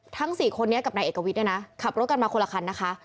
ทั้ง๔คนนี้กับนายเอกวิทย์เนี่ยนะขับรถกันมาคนละคันนะคะ